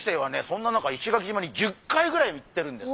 そんな中石垣島に１０回ぐらい行ってるんです。